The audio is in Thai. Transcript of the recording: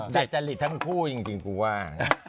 แต่จะหลีดทั้งคู่จริงคือว่า